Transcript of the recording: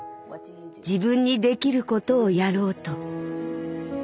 自分にできることをやろうと。